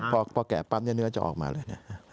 พอแกะปั๊บเนื้อจะออกมาเลยนะ